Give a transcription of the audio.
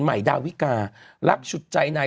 ใหม่ดาววิการักชุดใจใน